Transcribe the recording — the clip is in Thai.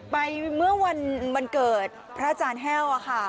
ไปเมื่อวันเกิดพระอาจารย์แห้วค่ะ